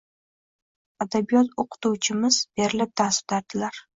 Adabiyot o`qituvchimiz berilib dars o`tardilar